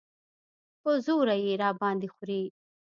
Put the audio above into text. په زوره یې راباندې خورې.